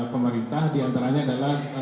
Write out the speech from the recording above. pemerintah diantaranya adalah